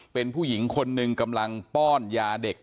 เป็นผู้หญิงคนหนึ่งกำลังป้อนยาเด็ก